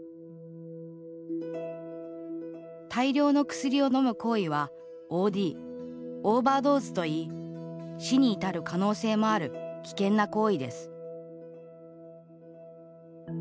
大量の薬をのむ行為はＯＤ＝オーバードーズといい死に至る可能性もある危険な行為です。